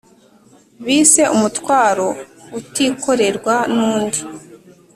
bise umutwaro utikorerwa nundi.